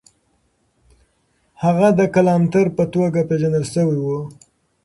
هغه د کلانتر په توګه پېژندل سوی و.